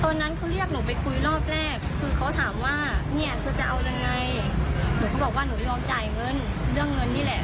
ตอนนั้นเขาเรียกหนูไปคุยรอบแรกคือเขาถามว่าเนี่ยคือจะเอายังไงหนูก็บอกว่าหนูยอมจ่ายเงินเรื่องเงินนี่แหละ